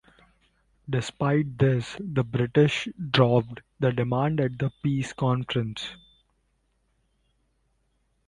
Despite this, the British dropped the demand at the peace conference.